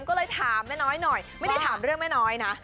ก็เลยถามแม่น้อยหน่อยไม่ได้ถามเรื่องแม่น้อยนะ